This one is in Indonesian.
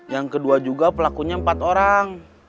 yang kedua juga pelakunya empat orang